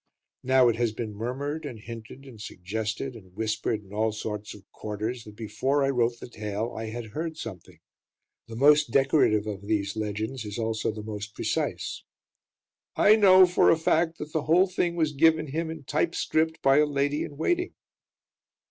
Now it has been murmured and hinted and suggested and whispered in all sorts of quarters that before I wrote the tale I had heard something. The most decorative of these legends is also the most precise: "I know for a fact that the whole thing was given him in typescript by a lady in waiting."